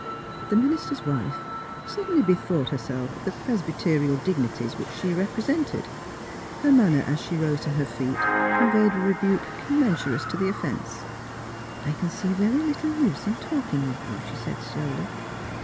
" The minister's wife suddenly bethought herself of the Presbyterial dignities which she repre sented. Her manner as she rose to her feet con veyed a rebuke commensurate to the offence. " I can see very little use in talking with you," she said, slowly.